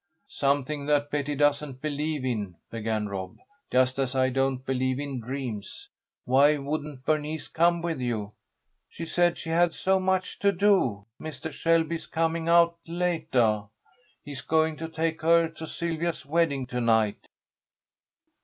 "Something that Betty doesn't believe in," began Rob, "just as I don't believe in dreams. Why wouldn't Bernice come with you?" "She said she had so much to do. Mistah Shelby is coming out latah. He is going to take her to Sylvia's wedding to night."